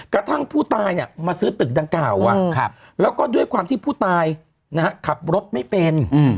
กระทั่งผู้ตายมาซื้อตึกดังกล่าวแล้วก็ด้วยความที่ผู้ตายขับรถไม่เป็น